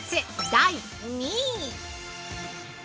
第２位。